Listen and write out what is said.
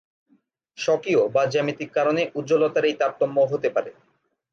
স্বকীয় বা জ্যামিতিক কারণে উজ্জ্বলতার এই তারতম্য হতে পারে।